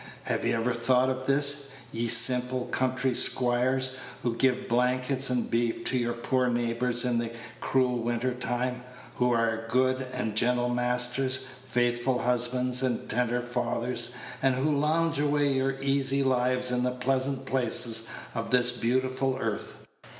Have you ever thought of this, ye simple country squires, who give blankets and beef to your poor neighbors in the cruel winter time, who are good and gentle masters, faithful husbands, and tender fathers, and who lounge away your easy lives in the pleasant places of this beautiful earth?